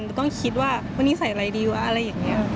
ก็ต้องคิดว่าวันนี้ใส่อะไรดีวะอะไรอย่างนี้